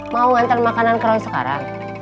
mau ngantar makanan ke roy sekarang